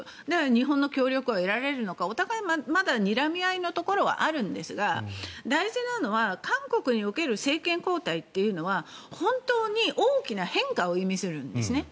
日本の協力は得られるのかお互いまだにらみ合いのところはあるんですが大事なのは韓国における政権交代というのは本当に大きな変化を意味するんですね。